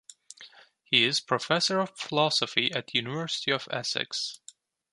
He is Professor of Philosophy at the University of Essex.